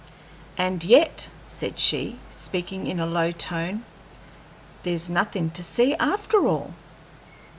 "And yet," said she, speaking in a low tone, "there's nothing to see, after all!"